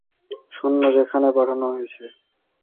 এছাড়া উদ্ধারকাজ আরো জোরদারে এক হাজার সৈন্য সেখানে পাঠানো হয়েছে।